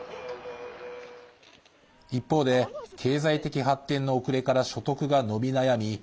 一方で経済的発展の遅れから所得が伸び悩み